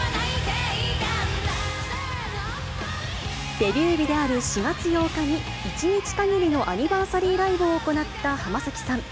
デビュー日である４月８日に、１日限りのアニバーサリーライブを行った浜崎さん。